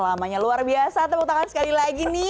lamanya luar biasa tepuk tangan sekali lagi nih